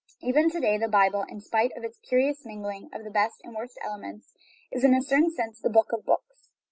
Even to day the Bible in spite of its curious mingling of the best and the worst elements is in a certain sense the " book of books."